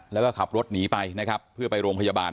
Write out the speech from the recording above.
แล้วก็ขับรถหนีไปนะครับเพื่อไปโรงพยาบาล